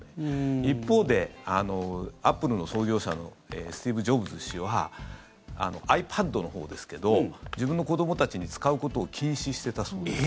一方でアップルの創業者のスティーブ・ジョブズ氏はｉＰａｄのほうですけど自分の子どもたちに使うことを禁止してたそうです。